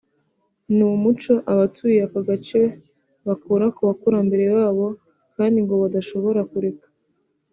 ni umuco abatuye aka gace bakura ku bakurambere babo kandi ngo badashobora kureka